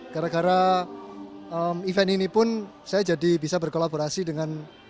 gara gara event ini pun saya jadi bisa berkolaborasi dengan